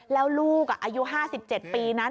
แล้วลูกอายุ๕๗ปีนั้น